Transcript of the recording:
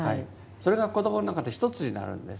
それが子どもの中で一つになるんです。